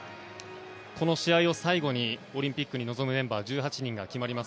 この試合を最後にオリンピックに臨むメンバー１８人が決まります。